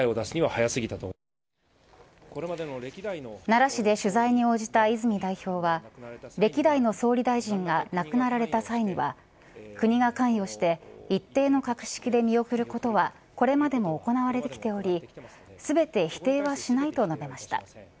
奈良市で取材に応じた泉代表は歴代の総理大臣が亡くなられた際には国が関与して一定の格式で見送ることはこれまでも行われてきており全て否定はしないと述べました。